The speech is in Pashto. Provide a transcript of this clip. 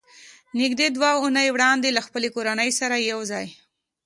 نږدې دوه اوونۍ وړاندې له خپلې کورنۍ سره یو ځای